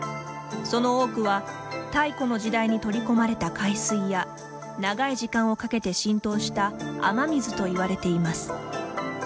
その多くは太古の時代に取り込まれた海水や長い時間をかけて浸透した雨水といわれています。